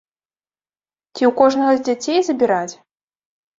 Ці ў кожнага дзяцей забіраць!